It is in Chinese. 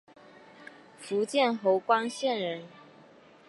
福建侯官县人。